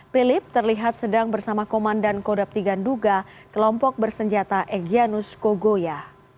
philip terlihat sedang bersama komandan kodapti ganduga kelompok bersenjata egyanus kogoya